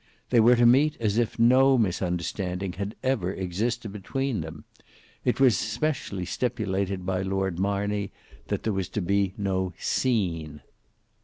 They were to meet as if no misunderstanding had ever existed between them; it was specially stipulated by Lord Marney, that there was to be no "scene."